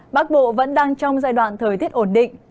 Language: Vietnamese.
bắc bộ vẫn đang trong giai đoạn thời tiết ổn định